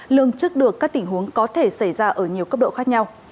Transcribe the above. lương trước được các tình huống có thể xảy ra ở nhiều cấp độ khác nhau